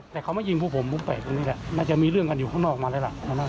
แต่เขามายิงพวกผมผมแปลกตรงนี้แหละน่าจะมีเรื่องกันอยู่ข้างนอกมาแล้วล่ะ